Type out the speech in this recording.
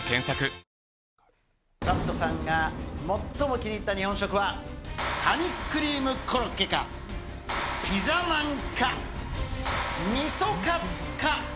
ブラッドリーさんが最も気に入った日本食は、カニクリームコロッケか、ピザまんか、みそカツか。